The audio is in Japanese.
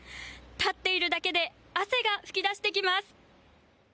立っているだけで汗が噴き出してきます。